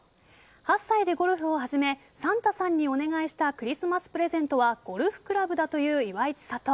８歳でゴルフを始めサンタさんにお願いしたクリスマスプレゼントはゴルフクラブだという岩井千怜。